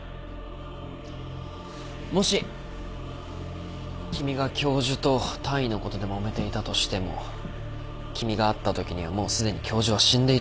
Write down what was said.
もし君が教授と単位のことでもめていたとしても君が会ったときにはもうすでに教授は死んでいたんだよね。